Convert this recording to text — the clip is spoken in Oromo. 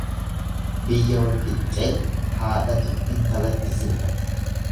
Biyya walqixxee haadhatu intalatti sirba.